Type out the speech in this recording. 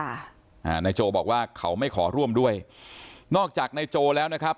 อ่านายโจบอกว่าเขาไม่ขอร่วมด้วยนอกจากนายโจแล้วนะครับ